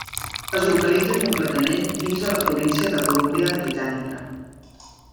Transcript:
Es localitza completament dins de la província de Columbia Britànica.